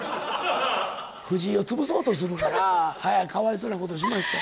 藤井を潰そうとするから、かわいそうなことしました。